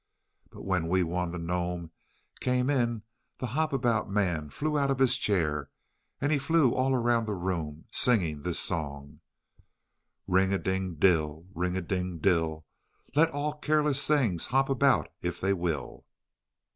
But when Wee Wun the gnome came in the Hop about Man flew out of his chair, and he flew all around the room, singing this song: "Ring a ding dill, ring a ding dill, Let all careless things hop about if they will."